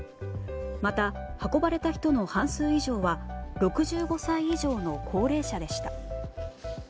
また、運ばれた人の半数以上は６５歳以上の高齢者でした。